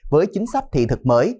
với chính sách thiện thực mới